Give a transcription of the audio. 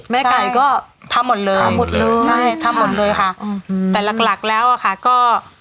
แม่ไก่ก็ทำหมดเลยทำหมดเลยใช่ทำหมดเลยค่ะอืมแต่หลักหลักแล้วอะค่ะก็